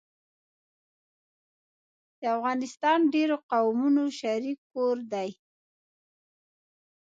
افغانستان د ډېرو قومونو شريک کور دی